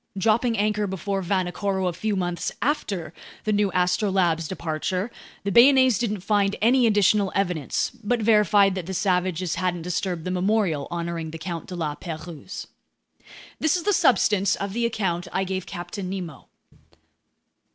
Dropping anchor before Vanikoro a few months after the new Astrolabe's departure, the Bayonnaise didn't find any additional evidence but verified that the savages hadn't disturbed the memorial honoring the Count de La Pérouse. This is the substance of the account I gave Captain Nemo.